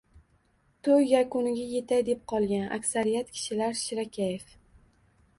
Toʻy yakuniga yetay deb qolgan, aksariyat kishilar shirakayf